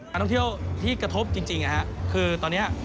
นักท่องเที่ยวที่กระทบจริงคือตอนนี้